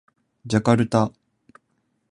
ジャカルタ